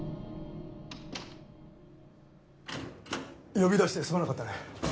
呼び出してすまなかったね。